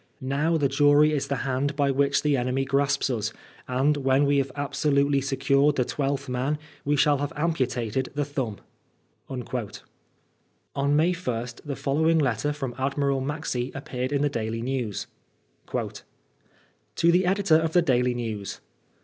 Now the jury is the hand by which the enemy grasps us, and when we have absolutely secured the twelfth man we shall have amputated the thumh,^^ On May 1 the following letter from Admiral Maxse appeared in the Daily News :— "TO THE EDITOR OF THE * DAILY NEWS.